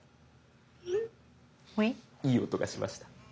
いい音がしました。